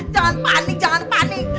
jangan panik jangan panik